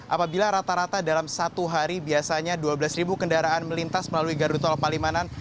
apabila rata rata dalam satu hari biasanya dua belas kendaraan melintas melalui gardu tol palimanan